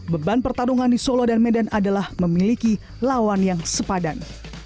beban pertarungan di solo dan medan adalah memiliki lawan yang sepadan